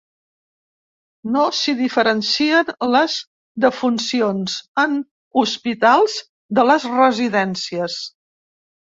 No s’hi diferencien les defuncions en hospitals de les residències.